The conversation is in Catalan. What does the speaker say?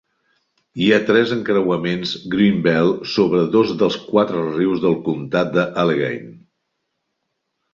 Hi ha tres encreuaments Green Belt sobre dos dels quatre rius del comtat d'Allegheny.